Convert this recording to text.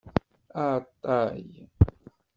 Aɛeṭṭay!